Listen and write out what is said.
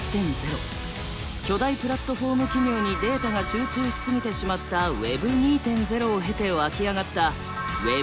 巨大プラットフォーム企業にデータが集中しすぎてしまったＷｅｂ２．０を経て湧き上がったＷｅｂ３は。